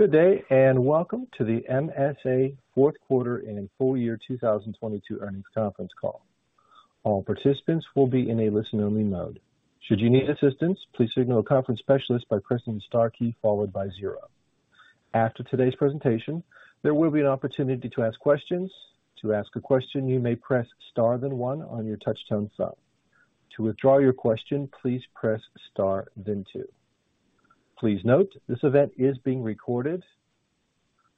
Good day, welcome to the MSA fourth quarter and full year 2022 earnings conference call. All participants will be in a listen-only mode. Should you need assistance, please signal a conference specialist by pressing star key followed by zero. After today's presentation, there will be an opportunity to ask questions. To ask a question, you may press star then one on your touchtone phone. To withdraw your question, please press star then two. Please note, this event is being recorded.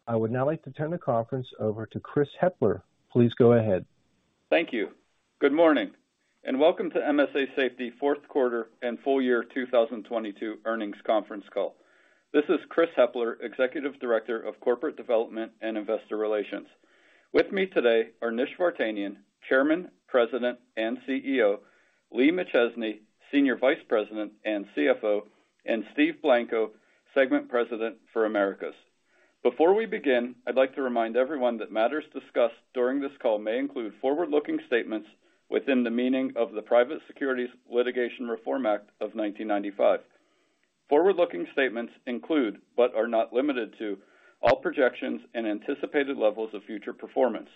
I would now like to turn the conference over to Chris Hepler. Please go ahead. Thank you. Good morning and welcome to MSA Safety fourth quarter and full year 2022 earnings conference call. This is Chris Hepler, Executive Director of Corporate Development and Investor Relations. With me today are Nish Vartanian, Chairman, President, and CEO, Lee McChesney, Senior Vice President and CFO, and Steve Blanco, Segment President for Americas. Before we begin, I'd like to remind everyone that matters discussed during this call may include forward-looking statements within the meaning of the Private Securities Litigation Reform Act of 1995. Forward-looking statements include, but are not limited to all projections and anticipated levels of future performance.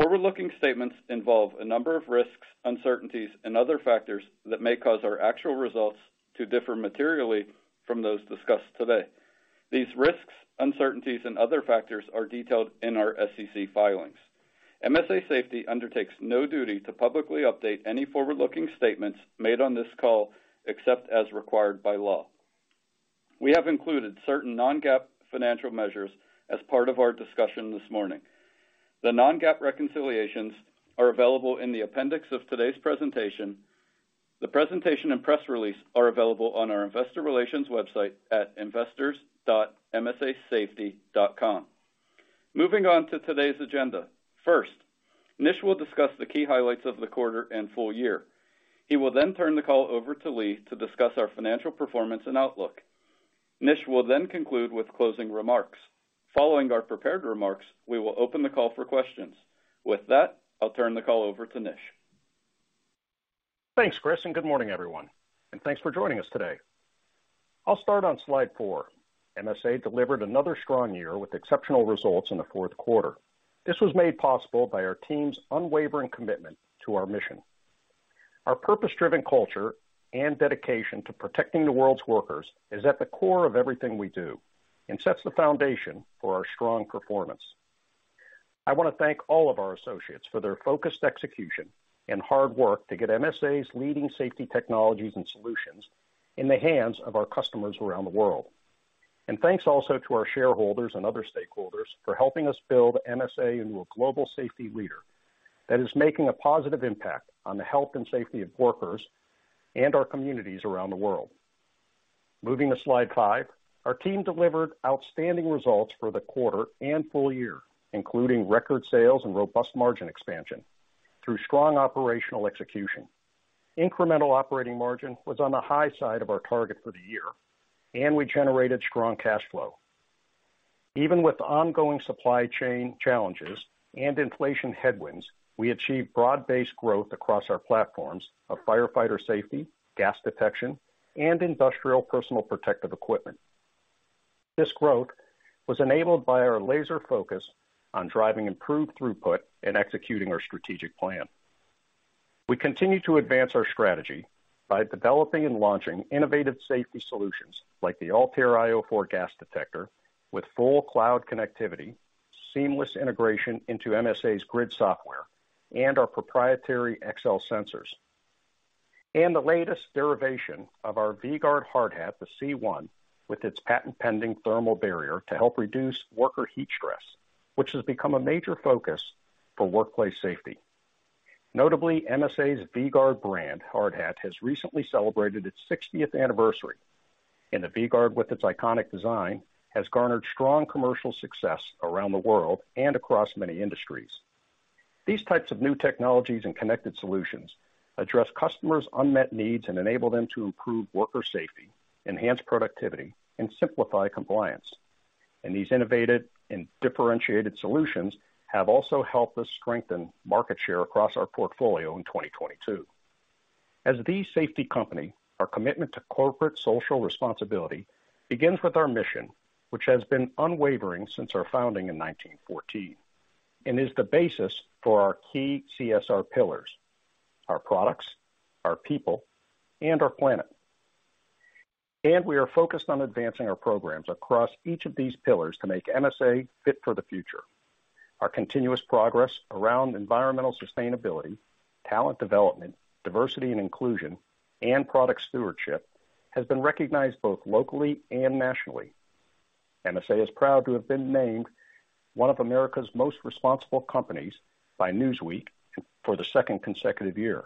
Forward-looking statements involve a number of risks, uncertainties and other factors that may cause our actual results to differ materially from those discussed today. These risks, uncertainties and other factors are detailed in our SEC filings. MSA Safety undertakes no duty to publicly update any forward-looking statements made on this call, except as required by law. We have included certain non-GAAP financial measures as part of our discussion this morning. The non-GAAP reconciliations are available in the appendix of today's presentation. The presentation and press release are available on our investor relations website at investors.msasafety.com. Moving on to today's agenda. First, Nish will discuss the key highlights of the quarter and full year. He will then turn the call over to Lee to discuss our financial performance and outlook. Nish will then conclude with closing remarks. Following our prepared remarks, we will open the call for questions. With that, I'll turn the call over to Nish. Thanks, Chris, and good morning, everyone, and thanks for joining us today. I'll start on Slide 4. MSA delivered another strong year with exceptional results in the fourth quarter. This was made possible by our team's unwavering commitment to our mission. Our purpose-driven culture and dedication to protecting the world's workers is at the core of everything we do and sets the foundation for our strong performance. I want to thank all of our associates for their focused execution and hard work to get MSA's leading safety technologies and solutions in the hands of our customers around the world. Thanks also to our shareholders and other stakeholders for helping us build MSA into a global safety leader that is making a positive impact on the health and safety of workers and our communities around the world. Moving to Slide 5. Our team delivered outstanding results for the quarter and full year, including record sales and robust margin expansion through strong operational execution. Incremental operating margin was on the high side of our target for the year, and we generated strong cash flow. Even with ongoing supply chain challenges and inflation headwinds, we achieved broad-based growth across our platforms of firefighter safety, gas detection, and industrial personal protective equipment. This growth was enabled by our laser focus on driving improved throughput and executing our strategic plan. We continue to advance our strategy by developing and launching innovative safety solutions like the ALTAIR io 4 gas detector with full cloud connectivity, seamless integration into MSA Grid software and our proprietary XCell sensors. The latest derivation of our V-Gard hard hat, the C1, with its patent-pending thermal barrier to help reduce worker heat stress, which has become a major focus for workplace safety. Notably, MSA's V-Gard brand hard hat has recently celebrated its 60th anniversary, the V-Gard, with its iconic design, has garnered strong commercial success around the world and across many industries. These types of new technologies and connected solutions address customers' unmet needs and enable them to improve worker safety, enhance productivity and simplify compliance. These innovative and differentiated solutions have also helped us strengthen market share across our portfolio in 2022. As the safety company, our commitment to corporate social responsibility begins with our mission, which has been unwavering since our founding in 1914 and is the basis for our key CSR pillars, our products, our people, and our planet. We are focused on advancing our programs across each of these pillars to make MSA fit for the future. Our continuous progress around environmental sustainability, talent development, diversity and inclusion, and product stewardship has been recognized both locally and nationally. MSA is proud to have been named one of America's most responsible companies by Newsweek for the second consecutive year.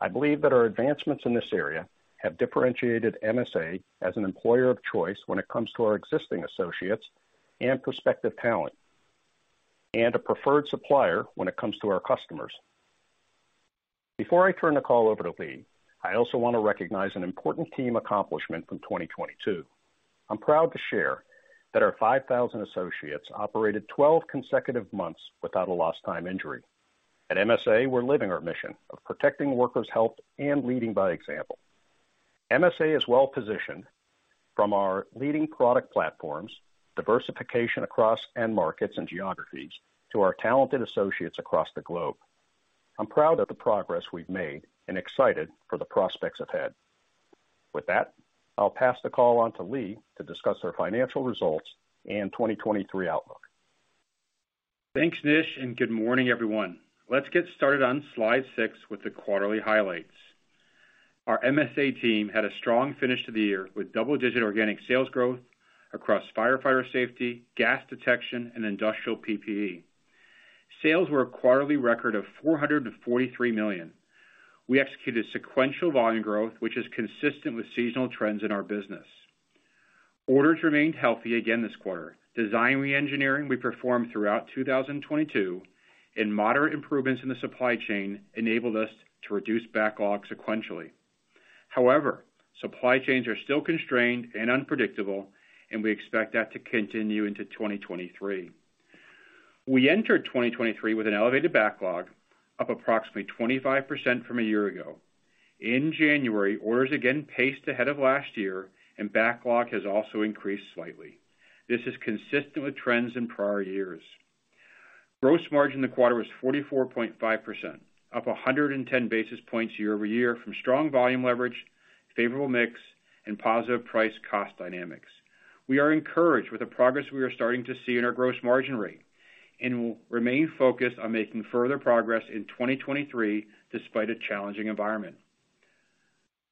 I believe that our advancements in this area have differentiated MSA as an employer of choice when it comes to our existing associates and prospective talent, and a preferred supplier when it comes to our customers. Before I turn the call over to Lee, I also want to recognize an important team accomplishment from 2022. I'm proud to share that our 5,000 associates operated 12 consecutive months without a lost time injury. At MSA, we're living our mission of protecting workers' health and leading by example. MSA is well positioned from our leading product platforms, diversification across end markets and geographies, to our talented associates across the globe. I'm proud of the progress we've made and excited for the prospects ahead. With that, I'll pass the call on to Lee to discuss our financial results and 2023 outlook. Thanks, Nish. Good morning, everyone. Let's get started on Slide 6 with the quarterly highlights. Our MSA team had a strong finish to the year with double-digit organic sales growth across firefighter safety, gas detection, and industrial PPE. Sales were a quarterly record of $443 million. We executed sequential volume growth, which is consistent with seasonal trends in our business. Orders remained healthy again this quarter. Design re-engineering we performed throughout 2022, and moderate improvements in the supply chain enabled us to reduce backlogs sequentially. Supply chains are still constrained and unpredictable, and we expect that to continue into 2023. We entered 2023 with an elevated backlog, up approximately 25% from a year ago. In January, orders again paced ahead of last year and backlog has also increased slightly. This is consistent with trends in prior years. Gross margin in the quarter was 44.5%, up 110 basis points year-over-year from strong volume leverage, favorable mix, and positive price cost dynamics. We are encouraged with the progress we are starting to see in our gross margin rate, and we'll remain focused on making further progress in 2023 despite a challenging environment.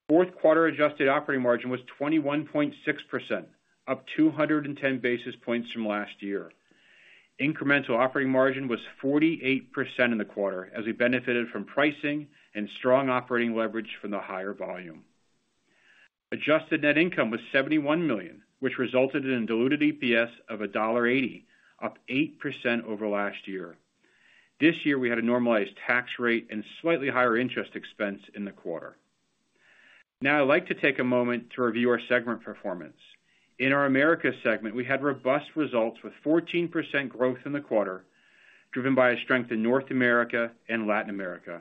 Fourth quarter adjusted operating margin was 21.6%, up 210 basis points from last year. Incremental operating margin was 48% in the quarter as we benefited from pricing and strong operating leverage from the higher volume. Adjusted net income was $71 million, which resulted in diluted EPS of $1.80, up 8% over last year. This year, we had a normalized tax rate and slightly higher interest expense in the quarter. Now I'd like to take a moment to review our segment performance. In our Americas segment, we had robust results with 14% growth in the quarter, driven by a strength in North America and Latin America.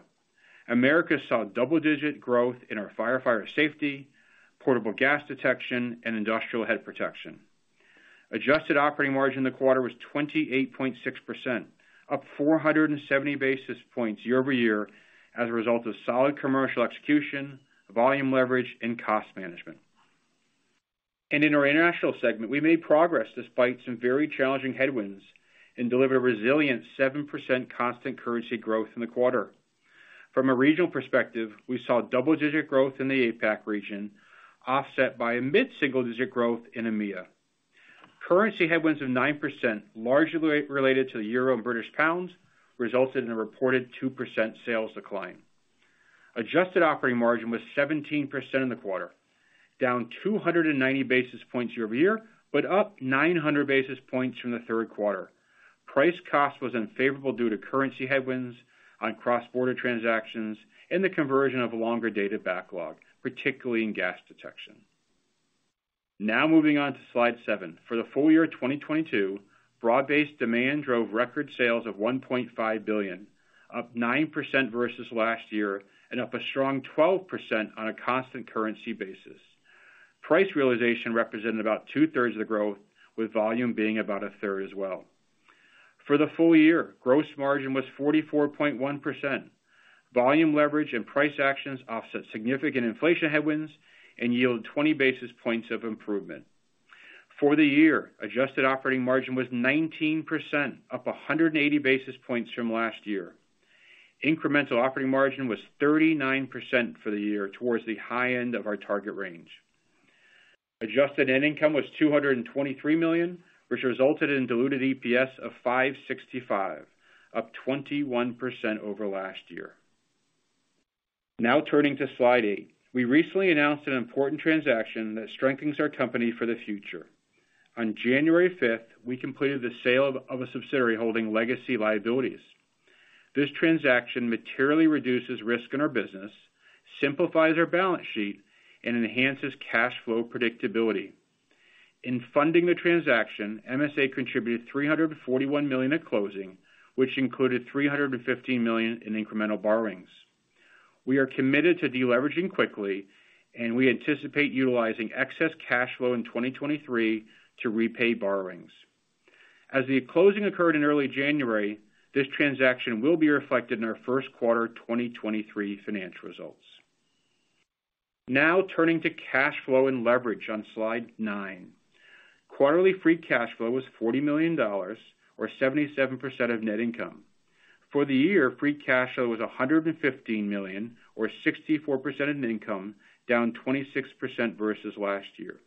Americas saw double-digit growth in our firefighter safety, portable gas detection, and industrial head protection. Adjusted operating margin in the quarter was 28.6%, up 470 basis points year-over-year as a result of solid commercial execution, volume leverage, and cost management. In our international segment, we made progress despite some very challenging headwinds and delivered resilient 7% constant currency growth in the quarter. From a regional perspective, we saw double-digit growth in the APAC region, offset by a mid-single digit growth in EMEA. Currency headwinds of 9%, largely related to the euro and British pounds, resulted in a reported 2% sales decline. Adjusted operating margin was 17% in the quarter, down 290 basis points year-over-year, up 900 basis points from the third quarter. Price cost was unfavorable due to currency headwinds on cross-border transactions and the conversion of longer data backlog, particularly in gas detection. Moving on to Slide 7. For the full year of 2022, broad-based demand drove record sales of $1.5 billion, up 9% versus last year and up a strong 12% on a constant currency basis. Price realization represented about 2/3 of the growth, with volume being about 1/3 as well. For the full year, gross margin was 44.1%. Volume leverage and price actions offset significant inflation headwinds and yield 20 basis points of improvement. For the year, adjusted operating margin was 19%, up 180 basis points from last year. Incremental operating margin was 39% for the year towards the high end of our target range. Adjusted net income was $223 million, which resulted in diluted EPS of $5.65, up 21% over last year. Turning to Slide 8. We recently announced an important transaction that strengthens our company for the future. On January 5th, we completed the sale of a subsidiary holding legacy liabilities. This transaction materially reduces risk in our business, simplifies our balance sheet, and enhances cash flow predictability. In funding the transaction, MSA contributed $341 million at closing, which included $315 million in incremental borrowings. We are committed to deleveraging quickly, we anticipate utilizing excess cash flow in 2023 to repay borrowings. As the closing occurred in early January, this transaction will be reflected in our first quarter 2023 financial results. Turning to cash flow and leverage on Slide 9. Quarterly free cash flow was $40 million or 77% of net income. For the year, free cash flow was $115 million or 64% of net income, down 26% versus last year.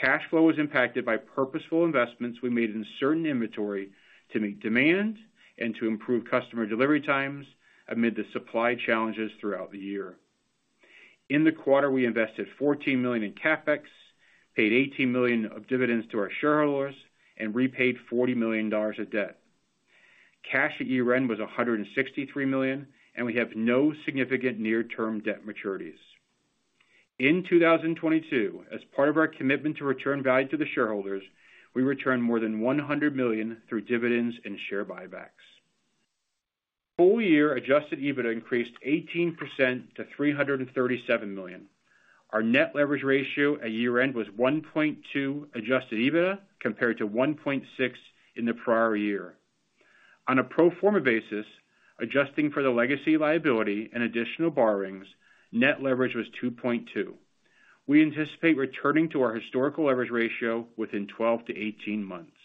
Cash flow was impacted by purposeful investments we made in certain inventory to meet demand and to improve customer delivery times amid the supply challenges throughout the year. In the quarter, we invested $14 million in CapEx, paid $18 million of dividends to our shareholders and repaid $40 million of debt. Cash at year-end was $163 million, and we have no significant near-term debt maturities. In 2022, as part of our commitment to return value to the shareholders, we returned more than $100 million through dividends and share buybacks. Full year adjusted EBITDA increased 18% to $337 million. Our net leverage ratio at year-end was 1.2 adjusted EBITDA compared to 1.6 in the prior year. On a pro forma basis, adjusting for the legacy liability and additional borrowings, net leverage was 2.2. We anticipate returning to our historical leverage ratio within 12=18 months.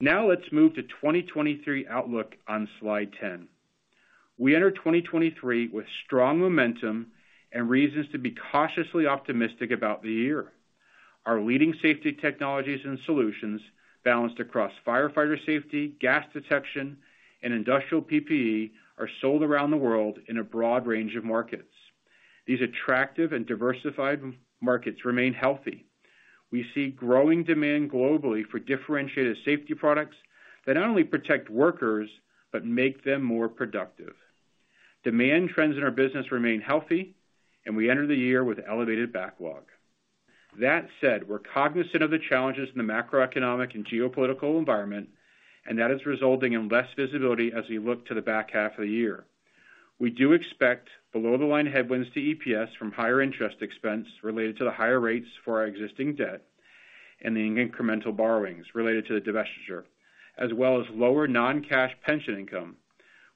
Let's move to 2023 outlook on Slide 10. We enter 2023 with strong momentum and reasons to be cautiously optimistic about the year. Our leading safety technologies and solutions balanced across firefighter safety, gas detection, and industrial PPE are sold around the world in a broad range of markets. These attractive and diversified markets remain healthy. We see growing demand globally for differentiated safety products that not only protect workers but make them more productive. Demand trends in our business remain healthy. We enter the year with elevated backlog. That said, we're cognizant of the challenges in the macroeconomic and geopolitical environment. That is resulting in less visibility as we look to the back half of the year. We do expect below-the-line headwinds to EPS from higher interest expense related to the higher rates for our existing debt and the incremental borrowings related to the divestiture, as well as lower non-cash pension income.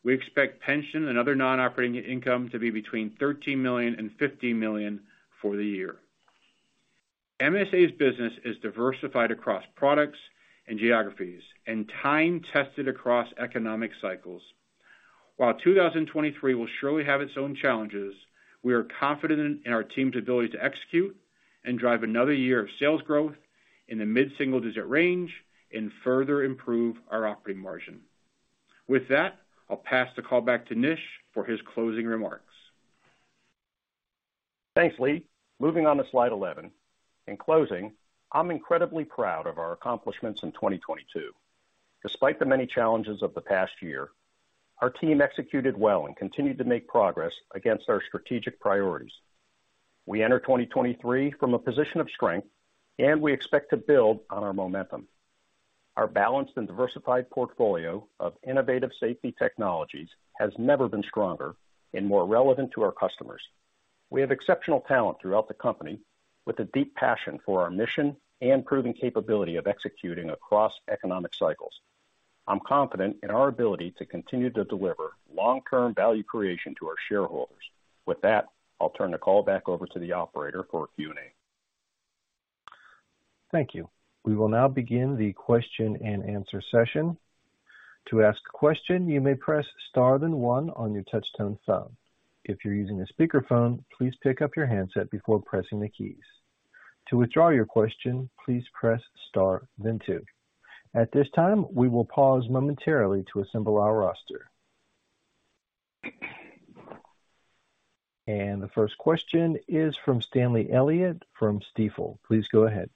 We expect pension and other non-operating income to be between $13 million and $15 million for the year. MSA's business is diversified across products and geographies and time tested across economic cycles. While 2023 will surely have its own challenges, we are confident in our team's ability to execute and drive another year of sales growth in the mid-single digit % range and further improve our operating margin. With that, I'll pass the call back to Nish for his closing remarks. Thanks, Lee. Moving on to Slide 11. In closing, I'm incredibly proud of our accomplishments in 2022. Despite the many challenges of the past year, our team executed well and continued to make progress against our strategic priorities. We enter 2023 from a position of strength, and we expect to build on our momentum. Our balanced and diversified portfolio of innovative safety technologies has never been stronger and more relevant to our customers. We have exceptional talent throughout the company with a deep passion for our mission and proven capability of executing across economic cycles. I'm confident in our ability to continue to deliver long-term value creation to our shareholders. With that, I'll turn the call back over to the operator for Q&A. Thank you. We will now begin the question-and-answer session. To ask a question, you may press star then one on your touchtone phone. If you're using a speakerphone, please pick up your handset before pressing the keys. To withdraw your question, please press star then two. At this time, we will pause momentarily to assemble our roster. The first question is from Stanley Elliott from Stifel. Please go ahead.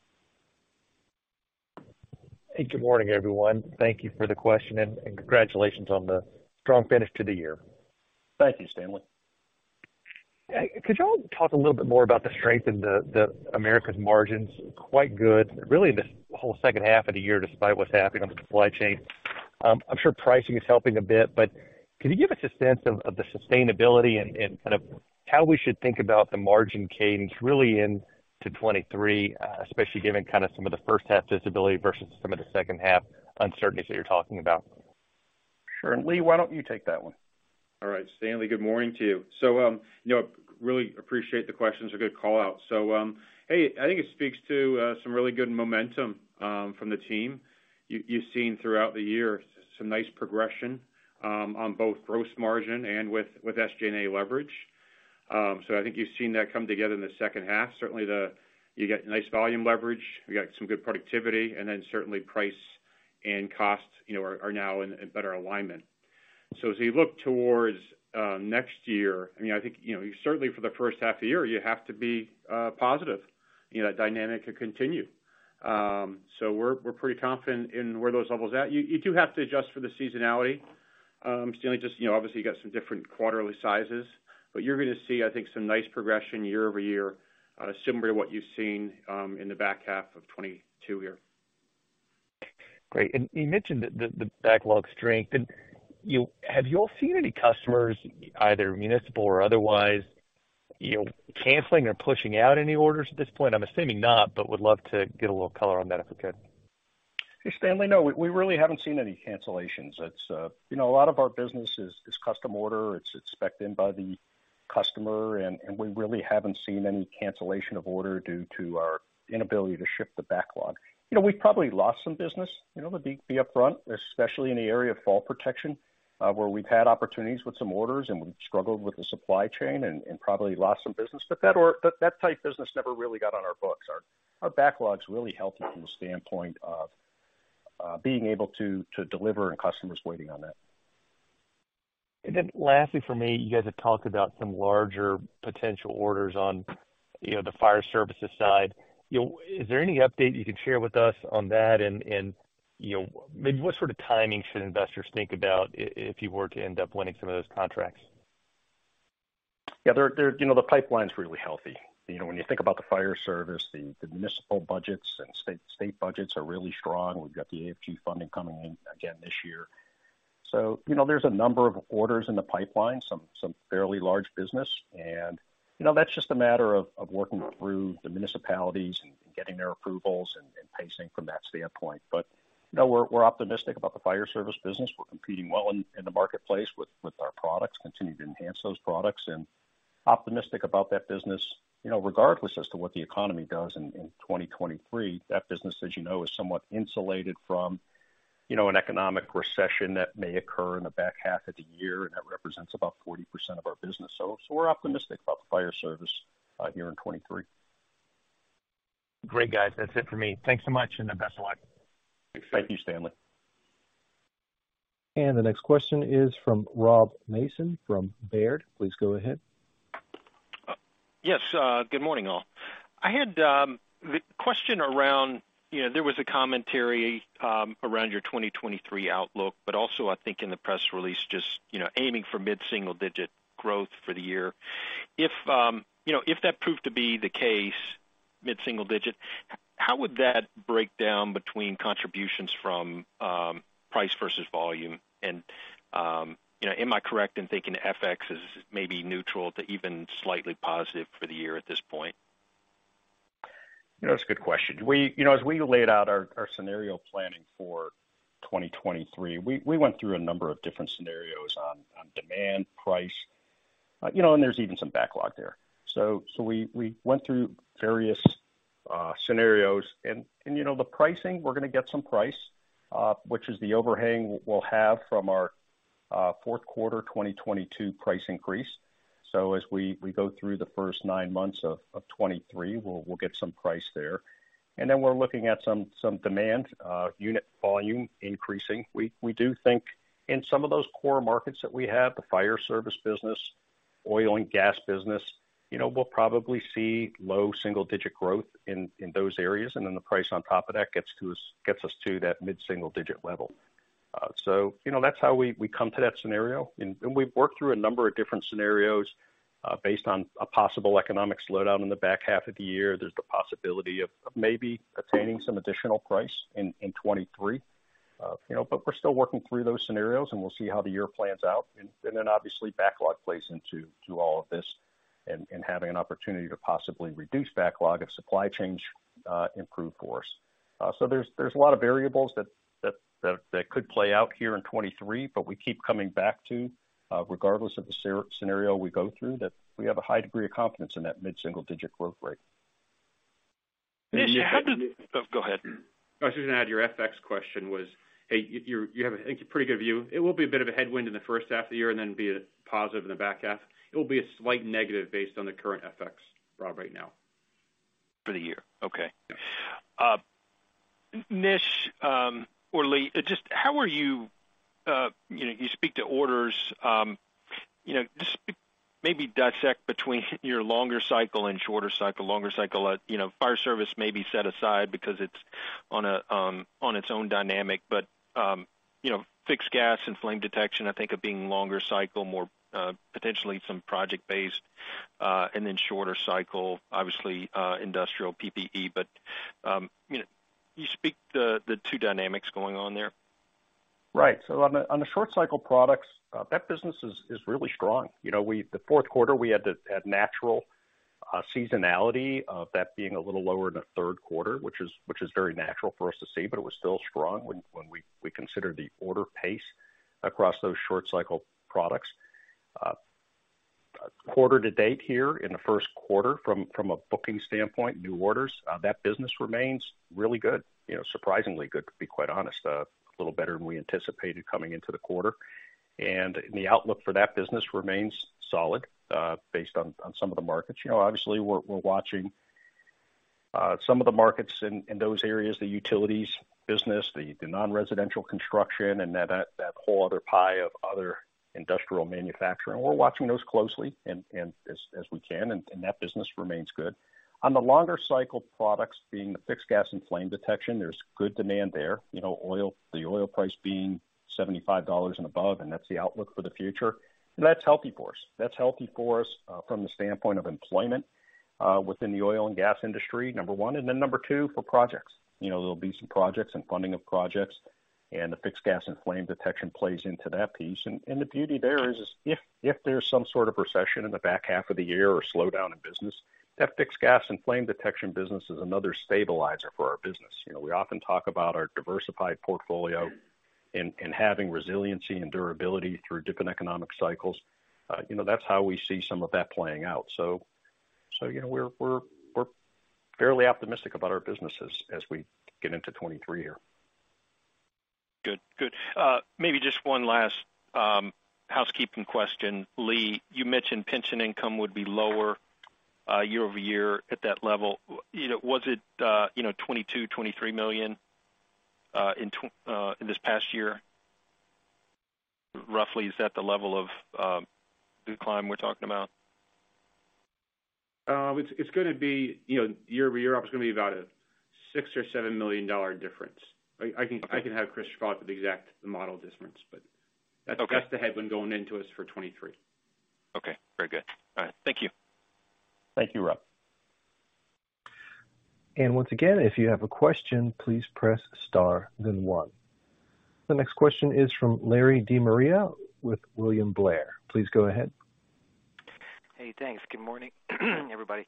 Hey, good morning, everyone. Thank you for the question and congratulations on the strong finish to the year. Thank you, Stanley. Could y'all talk a little bit more about the strength in the Americas margins? Quite good, really, this whole second half of the year, despite what's happening on the supply chain. I'm sure pricing is helping a bit, but can you give us a sense of the sustainability and kind of how we should think about the margin cadence really into 2023, especially given kind of some of the first half visibility versus some of the second half uncertainties that you're talking about? Sure. Lee, why don't you take that one? All right. Stanley, good morning to you. You know, really appreciate the questions, a good call-out. Hey, I think it speaks to some really good momentum from the team. You've seen throughout the year some nice progression on both gross margin and with SG&A leverage. I think you've seen that come together in the second half. Certainly, you get nice volume leverage. We got some good productivity, certainly price and cost, you know, are now in better alignment. As we look towards next year, I mean, I think, you know, certainly for the first half of the year, you have to be positive. You know, that dynamic could continue. We're pretty confident in where those levels at. You do have to adjust for the seasonality, Stanley, just, you know, obviously you got some different quarterly sizes. You're gonna see, I think, some nice progression year-over-year, similar to what you've seen in the back half of 2022 here. Great. You mentioned the backlog strength. Have you all seen any customers, either municipal or otherwise, you know, canceling or pushing out any orders at this point? I'm assuming not, but would love to get a little color on that, if I could. Hey, Stanley. No, we really haven't seen any cancellations. It's, you know, a lot of our business is custom order. It's spec-ed in by the customer, and we really haven't seen any cancellation of order due to our inability to ship the backlog. You know, we've probably lost some business, you know, to be upfront, especially in the area of fall protection, where we've had opportunities with some orders, and we've struggled with the supply chain and probably lost some business. That type business never really got on our books. Our backlog's really healthy from the standpoint of being able to deliver and customers waiting on that. Lastly for me, you guys have talked about some larger potential orders on, you know, the fire services side. You know, is there any update you can share with us on that? You know, maybe what sort of timing should investors think about if you were to end up winning some of those contracts? Yeah, there, you know, the pipeline's really healthy. You know, when you think about the fire service, the municipal budgets and state budgets are really strong. We've got the AFG funding coming in again this year. You know, there's a number of orders in the pipeline, some fairly large business. You know, that's just a matter of working through the municipalities and getting their approvals and pacing from that standpoint. You know, we're optimistic about the fire service business. We're competing well in the marketplace with our products, continue to enhance those products and optimistic about that business. You know, regardless as to what the economy does in 2023, that business, as you know, is somewhat insulated from, you know, an economic recession that may occur in the back half of the year, and that represents about 40% of our business. We're optimistic about the fire service here in 2023. Great, guys. That's it for me. Thanks so much, and best of luck. Thank you, Stanley. The next question is from Rob Mason from Baird. Please go ahead. Good morning, all. I had the question around, you know, there was a commentary around your 2023 outlook, but also I think in the press release just, you know, aiming for mid-single-digit growth for the year. If, you know, if that proved to be the case, mid-single-digit, how would that break down between contributions from price versus volume? You know, am I correct in thinking FX is maybe neutral to even slightly positive for the year at this point? You know, that's a good question. You know, as we laid out our scenario planning for 2023, we went through a number of different scenarios on demand, price. You know, there's even some backlog there. We went through various scenarios. You know, the pricing, we're gonna get some price, which is the overhang we'll have from our Q4 2022 price increase. As we go through the first nine months of 2023, we'll get some price there. We're looking at some demand, unit volume increasing. We do think in some of those core markets that we have, the fire service business, oil and gas business, you know, we'll probably see low single-digit growth in those areas. The price on top of that gets us to that mid-single digit level. you know, that's how we come to that scenario. We've worked through a number of different scenarios, based on a possible economic slowdown in the back half of the year. There's the possibility of maybe obtaining some additional price in 2023. you know, we're still working through those scenarios, and we'll see how the year plans out. Then obviously backlog plays into all of this and having an opportunity to possibly reduce backlog if supply chains improve for us. There's a lot of variables that could play out here in 23, but we keep coming back to, regardless of the scenario we go through, that we have a high degree of confidence in that mid-single digit growth rate. Nish, you had the. Go ahead. I was just gonna add, your FX question was, hey, you have a, I think, pretty good view. It will be a bit of a headwind in the first half of the year and then be a positive in the back half. It will be a slight negative based on the current FX, Rob, right now. For the year. Okay. Nish or Lee, just how are you know, you speak to orders. You know, just maybe dissect between your longer cycle and shorter cycle. Longer cycle, you know, fire service may be set aside because it's on a, on its own dynamic. You know, fixed gas and flame detection, I think of being longer cycle, more, potentially some project based, and then shorter cycle, obviously, industrial PPE. You know, can you speak to the two dynamics going on there? Right. On the, on the short cycle products, that business is really strong. You know, the fourth quarter, we had natural seasonality of that being a little lower than the third quarter, which is very natural for us to see, but it was still strong when we consider the order pace across those short cycle products. Quarter to date here in the first quarter from a booking standpoint, new orders, that business remains really good. You know, surprisingly good, to be quite honest. A little better than we anticipated coming into the quarter. The outlook for that business remains solid, based on some of the markets. You know, obviously, we're watching some of the markets in those areas, the utilities business, the non-residential construction and that whole other pie of other industrial manufacturing. We're watching those closely and as we can, and that business remains good. On the longer cycle products being the fixed gas and flame detection, there's good demand there. You know, oil, the oil price being $75 and above, that's the outlook for the future. That's healthy for us. That's healthy for us from the standpoint of employment within the oil and gas industry, Number 1. Then Number 2, for projects. You know, there'll be some projects and funding of projects, the fixed gas and flame detection plays into that piece. The beauty there is if there's some sort of recession in the back half of the year or slowdown in business, that fixed gas and flame detection business is another stabilizer for our business. You know, we often talk about our diversified portfolio and having resiliency and durability through different economic cycles. You know, that's how we see some of that playing out. You know, we're fairly optimistic about our business as we get into 2023 here. Good. Good. Maybe just one last housekeeping question. Lee, you mentioned pension income would be lower, year-over-year at that level. Was it, you know, $22 million-$23 million in this past year? Roughly, is that the level of decline we're talking about? It's gonna be, you know, year-over-year up. It's gonna be about a $6 million-$7 million difference. Okay. I can have Chris follow up with the exact model difference. Okay. That's the headwind going into us for 2023. Okay. Very good. All right. Thank you. Thank you, Rob. Once again, if you have a question, please press star then one. The next question is from Lawrence De Maria with William Blair. Please go ahead. Hey, thanks. Good morning everybody.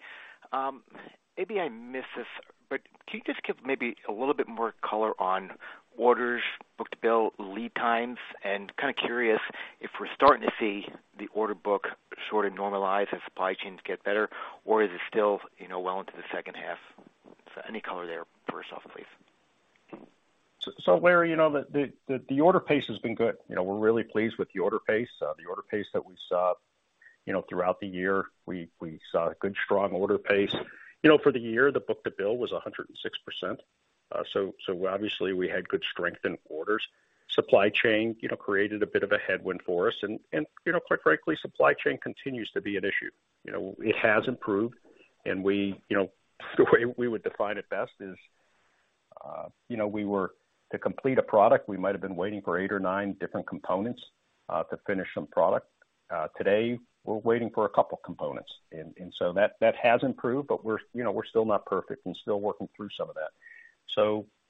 Maybe I missed this, but can you just give maybe a little bit more color on orders book-to-bill lead times? Kind of curious if we're starting to see the order book sort of normalize as supply chains get better, or is it still, you know, well into the second half? Any color there first off, please. Larry, you know, the order pace has been good. You know, we're really pleased with the order pace. The order pace that we saw, you know, throughout the year, we saw a good strong order pace. You know, for the year, the book-to-bill was 106%. Obviously we had good strength in orders. Supply chain, you know, created a bit of a headwind for us and you know, quite frankly, supply chain continues to be an issue. You know, it has improved and we, you know, the way we would define it best is, you know, we were to complete a product, we might've been waiting for eight or nine different components to finish some product. Today, we're waiting for a couple components. That, that has improved, but we're, you know, we're still not perfect and still working through some of that.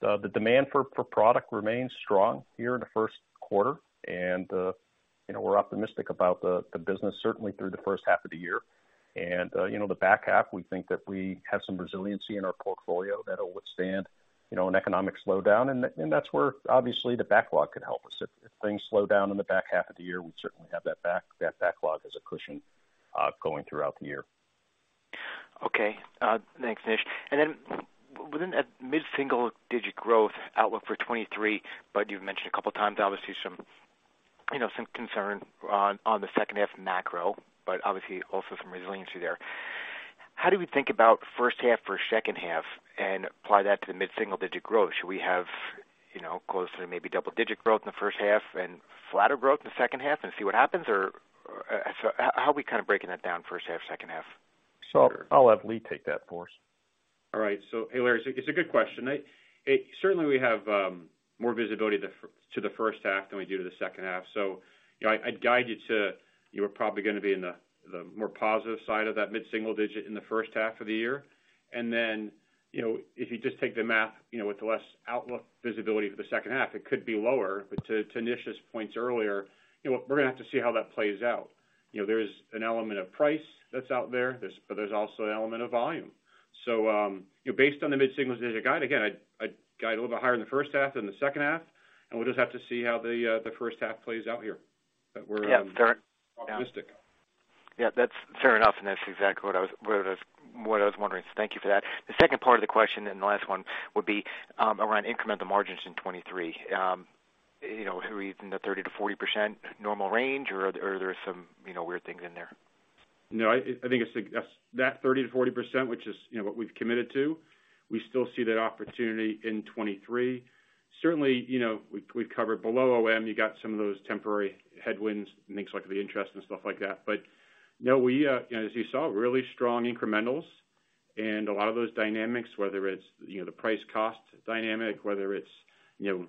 The, the demand for product remains strong here in the first quarter and, you know, we're optimistic about the business certainly through the first half of the year. You know, the back half, we think that we have some resiliency in our portfolio that'll withstand, you know, an economic slowdown and that, and that's where obviously the backlog could help us. If things slow down in the back half of the year, we certainly have that backlog as a cushion, going throughout the year. Okay. Thanks, Nish. Within that mid-single digit growth outlook for 2023, but you've mentioned a couple times obviously some, you know, some concern on the second half macro, but obviously also some resiliency there. How do we think about first half for second half and apply that to the mid-single digit growth? Should we have, you know, close to maybe double digit growth in the first half and flatter growth in the second half and see what happens? How are we kind of breaking that down first half, second half? I'll have Lee take that for us. All right. Hey Larry, it's a good question. certainly we have more visibility to the first half than we do to the second half. You know, I'd guide you to, you're probably gonna be in the more positive side of that mid-single digit in the first half of the year. You know, if you just take the math, you know, with less outlook visibility for the second half, it could be lower. To Nish's points earlier, you know, we're gonna have to see how that plays out. You know, there's an element of price that's out there. but there's also an element of volume. You know, based on the mid-single digit guide, again, I'd guide a little bit higher in the first half than the second half. We'll just have to see how the first half plays out here. We're. Yeah. Fair. Optimistic. That's fair enough, and that's exactly what I was wondering, so thank you for that. The second part of the question and the last one would be, around incremental margins in 2023. You know, are we in the 30%-40% normal range or there are some, you know, weird things in there? I think it's, that 30%-40%, which is, you know, what we've committed to, we still see that opportunity in 2023. Certainly, you know, we've covered below OM, you got some of those temporary headwinds and things like the interest and stuff like that. We, as you saw, really strong incrementals and a lot of those dynamics, whether it's, you know, the price cost dynamic, whether it's, you know,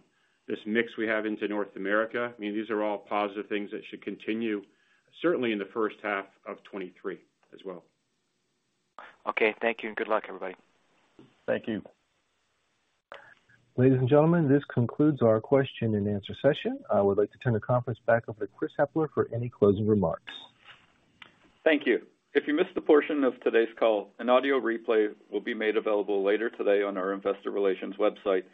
this mix we have into North America, I mean, these are all positive things that should continue certainly in the first half of 2023 as well. Okay. Thank you. Good luck, everybody. Thank you. Ladies and gentlemen, this concludes our question and answer session. I would like to turn the conference back over to Chris Hepler for any closing remarks. Thank you. If you missed a portion of today's call, an audio replay will be made available later today on our investor relations website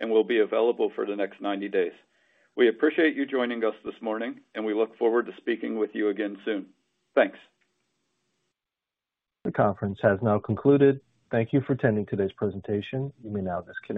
and will be available for the next 90 days. We appreciate you joining us this morning, we look forward to speaking with you again soon. Thanks. The conference has now concluded. Thank you for attending today's presentation. You may now disconnect.